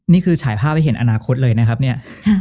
นี่คือฉายภาพให้เห็นอนาคตเลย